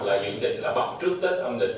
là quyết định là bật trước tết âm lịch